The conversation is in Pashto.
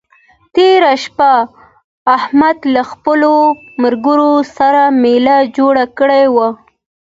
تېره شپه احمد له خپلو ملګرو سره مېله جوړه کړې وه.